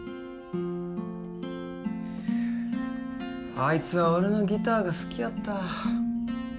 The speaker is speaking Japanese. あいつは俺のギターが好きやった。